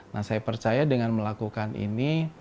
nah saya percaya dengan melakukan ini